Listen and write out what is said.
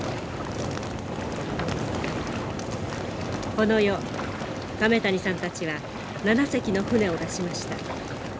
この夜亀谷さんたちは７隻の舟を出しました。